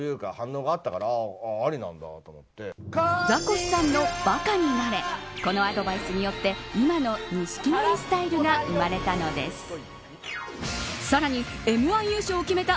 ザコシさんのバカになれこのアドバイスによって今の錦鯉スタイルが生まれたのです。